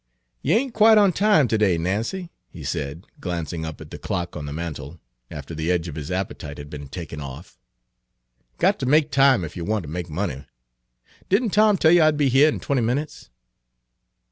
"Yer ain't quite on time ter day, Nancy," he said, glancing up at the clock on the mantel, after the edge of his appetite had been taken off. "Got ter make time ef yer wanter make money. Didn't Tom tell yer I'd be heah in twenty minutes?"